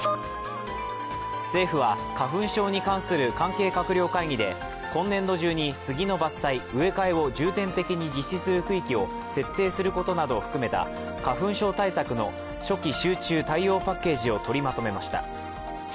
政府は花粉症に関する関係閣僚会議で今年度中にスギの伐採、植え替えを重点的に実施する区域を設定することなどを含めた花粉症対策の初期集中対応パッケージを取りまとめました。